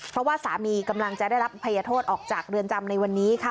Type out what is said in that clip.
เพราะว่าสามีกำลังจะได้รับอภัยโทษออกจากเรือนจำในวันนี้ค่ะ